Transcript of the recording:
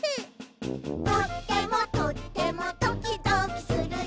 「とってもとってもドキドキするね」